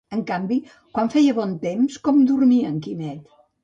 En canvi, quan feia bon temps, com dormia en Quimet?